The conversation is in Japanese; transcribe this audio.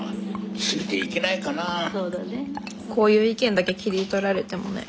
こういう意見だけ切り取られてもね。